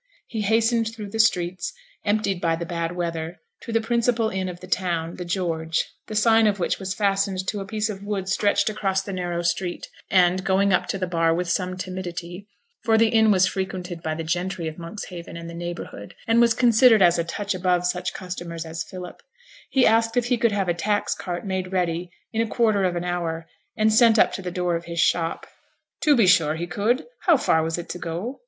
He hastened through the streets, emptied by the bad weather, to the principal inn of the town, the George the sign of which was fastened to a piece of wood stretched across the narrow street; and going up to the bar with some timidity (for the inn was frequented by the gentry of Monkshaven and the neighbourhood, and was considered as a touch above such customers as Philip), he asked if he could have a tax cart made ready in a quarter of an hour, and sent up to the door of his shop. 'To be sure he could; how far was it to go?'